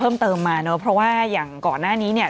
เพิ่มเติมมาเนอะเพราะว่าอย่างก่อนหน้านี้เนี่ย